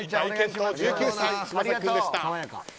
１９歳、嶋崎君でした。